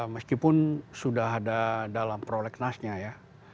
meskipun sudah ada dalam prolegnasnya ya